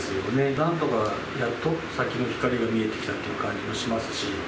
なんとかやっと、先の光が見えてきたという感じはしますし。